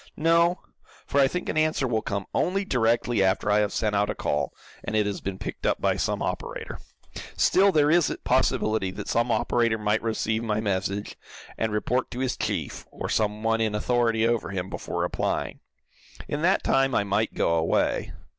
"No, for I think an answer will come only directly after I have sent out a call, and it has been picked up by some operator. Still there is a possibility that some operator might receive my message, and report to his chief, or some one in authority over him, before replying. In that time I might go away.